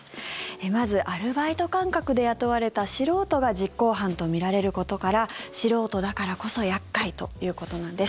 まず、アルバイト感覚で雇われた素人が実行犯とみられることから素人だからこそ厄介ということなんです。